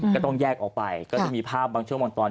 ก็ต้องแยกออกไปก็จะมีภาพบางช่วงบางตอน